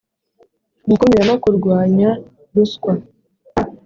Gukumira no kurwanya ruswa